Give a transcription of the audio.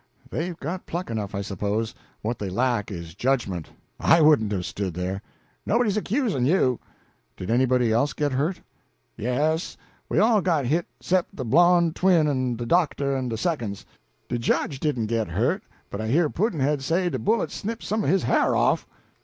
"They've got pluck enough, I suppose; what they lack is judgment. I wouldn't have stood there." "Nobody's accusin' you!" "Did anybody else get hurt?" "Yes, we all got hit 'cep' de blon' twin en de doctor en de seconds. De Jedge didn't git hurt, but I hear Pudd'nhead say de bullet snip some o' his ha'r off."